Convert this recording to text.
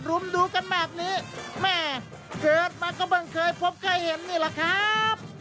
ลุ้มดูกันแบบนี้แม่เกิดมาก็ไม่เคยพบใครเห็นนี่ล่ะครับ